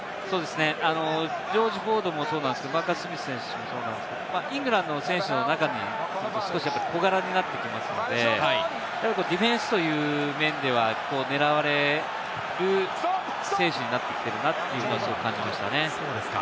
ジョージ・フォードもそうですが、マーカス・スミス選手もイングランドの選手の中では小柄になってきますので、ディフェンスという面では狙われる選手になってきているなというのは感じましたね。